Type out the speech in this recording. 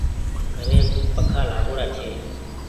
گھريم پکآ لآگوڙآ ڇي۔